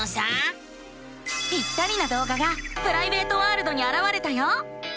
ぴったりなどうががプライベートワールドにあらわれたよ。